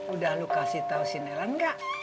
udah lu kasih tau si nelan nggak